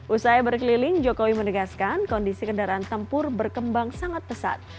usai berkeliling jokowi menegaskan kondisi kendaraan tempur berkembang sangat pesat